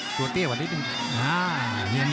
ตัวเตี้ยมาเล็กนิดนึง